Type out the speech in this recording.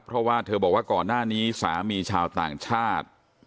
เพราะว่าเธอบอกว่าก่อนหน้านี้สามีชาวต่างชาติ